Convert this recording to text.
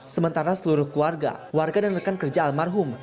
sementara seluruh keluarga warga dan rekan kerja almarhum